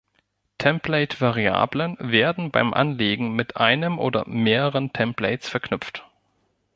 Template-Variablen werden beim Anlegen mit einem oder mehreren Templates verknüpft.